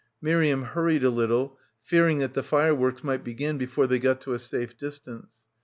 Miriam hurried a little, fearing that the fireworks might begin before they got to a safe distance.